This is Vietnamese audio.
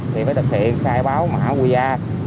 thì phải thực hiện khai báo mã quý gia